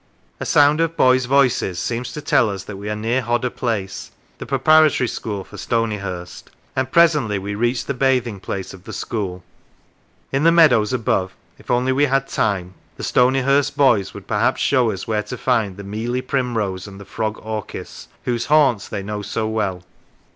A sound of boys' voices seems to tell us that we are near Hodder Place, the preparatory school for Stony Lancashire hurst, and presently we reach the bathing place of the school. In the meadows above, if only we had time, the Stonyhurst boys would perhaps show us where to find the mealy primrose and the frog orchis, whose haunts they know so well.